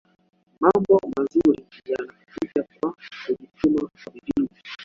Mambo manzuri yanakuja kwa kujituma kwa bidii